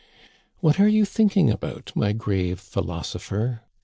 " What are you thinking about, my grave philoso pher